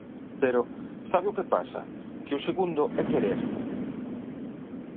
Pero, ¿sabe o que pasa?, que o segundo é querer.